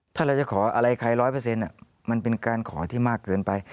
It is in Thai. ถ้าเราจะขออะไรใครร้อยเปอร์เซ็นต์มันเป็นการขอที่มากเกินไป